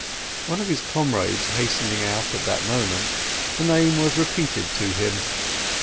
One of his comrades hastening out at that moment, the name was repeated to him.